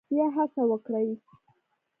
بیا هڅه وکړئ